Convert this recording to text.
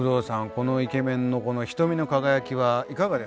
このイケメンのこの瞳の輝きはいかがですか？